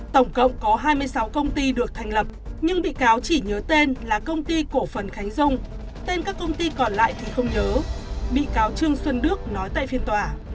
tổng cộng có hai mươi sáu công ty được thành lập nhưng bị cáo chỉ nhớ tên là công ty cổ phần khánh dung tên các công ty còn lại thì không nhớ bị cáo trương xuân đức nói tại phiên tòa